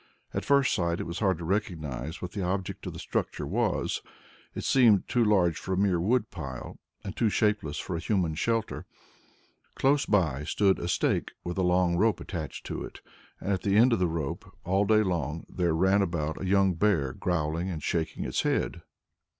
At first sight it was hard to recognize what the object of the structure was; it seemed too large for a mere wood pile, and too shapeless for a human shelter. Close by stood a stake with a long rope attached to it, and at the end of the rope, all day long, there ran about a young bear growling and shaking its head.